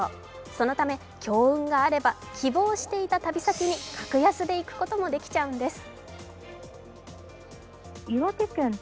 そのため強運があれば、希望していた旅先に格安で行くこともできちゃうんです。